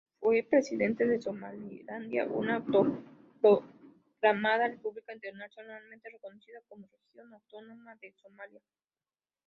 Fue presidente de Somalilandia, una autoproclamada república internacionalmente reconocida como región autónoma en Somalia.